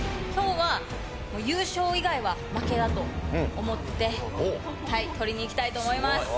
今日は優勝以外は負けだと思って取りにいきたいと思います。